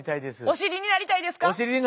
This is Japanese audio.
お知りになりたいです。